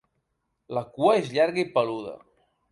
La cua és llarga i peluda.